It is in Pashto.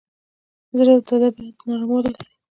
زړه د طبیعت نرموالی لري.